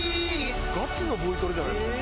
「ガチのボイトレじゃないですか」